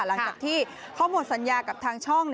หลังจากที่เขาหมดสัญญากับทางช่อง